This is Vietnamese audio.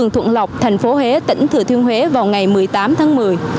thuận lọc thành phố huế tỉnh thừa thiên huế vào ngày một mươi tám tháng một mươi